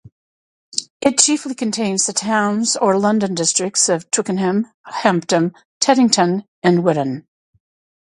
It chiefly contains the towns or London districts of Twickenham, Hampton, Teddington and Whitton.